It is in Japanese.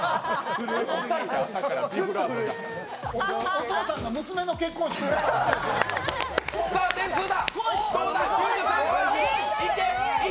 お父さんが娘の結婚式みたい。